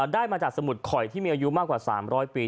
ได้มาจากสมุดข่อยที่มีอายุมากกว่า๓๐๐ปี